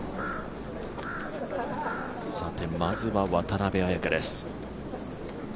まずは渡邉彩香です。